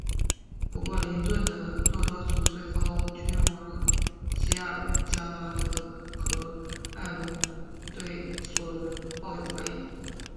不过林顿的诺多族最高君王吉尔加拉德和爱隆对索伦抱有怀疑。